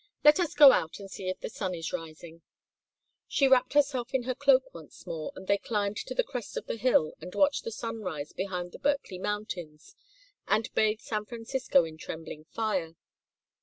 Let us go out and see if the sun is rising." She wrapped herself in her cloak once more, and they climbed to the crest of the hill and watched the sun rise behind the Berkeley mountains and bathe San Francisco in trembling fire.